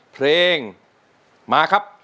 เพลงมาครับ